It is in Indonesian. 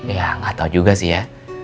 ya gak tau juga sih ya